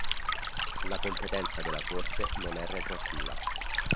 La competenza della Corte non è retroattiva.